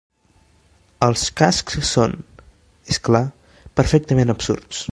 Els cascs són, és clar, perfectament absurds.